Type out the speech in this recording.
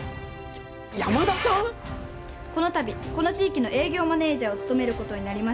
このたびこの地域の営業マネージャーを務めることになりました。